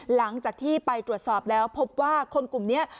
หลังจากที่ไปตรวจสอบแล้วพบว่าคนกลุ่มนี้